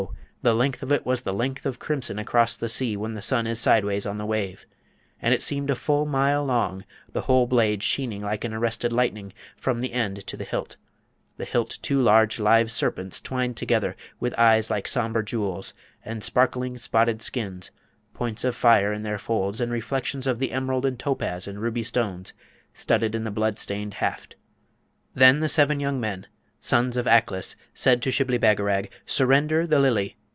the length of it was as the length of crimson across the sea when the sun is sideways on the wave, and it seemed full a mile long, the whole blade sheening like an arrested lightning from the end to the hilt; the hilt two large live serpents twined together, with eyes like sombre jewels, and sparkling spotted skins, points of fire in their folds, and reflections of the emerald and topaz and ruby stones, studded in the blood stained haft. Then the seven young men, sons of Aklis, said to Shibli Bagarag, 'Surrender the Lily!'